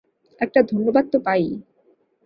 একটা ধন্যবাদ তো পাই?